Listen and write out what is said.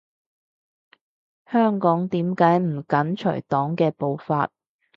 香港點解唔緊隨黨嘅步伐？